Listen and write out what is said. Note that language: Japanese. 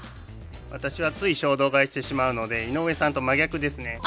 私はつい衝動買いしてしまうので井上さんと真逆ですね。